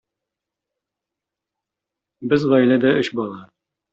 Без гаиләдә өч бала.